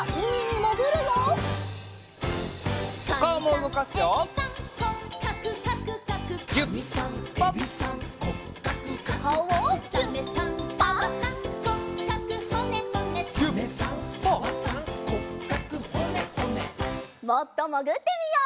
もっともぐってみよう。